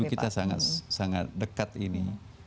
kita sangat dekat ini